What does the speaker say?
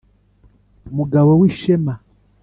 mugabo w’ishema